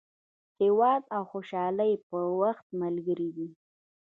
هېواد د خوشحالۍ په وخت ملګری دی.